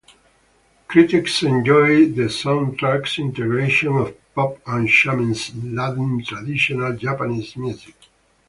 Critics enjoyed the soundtrack's integration of pop and shamisen-laden traditional Japanese music.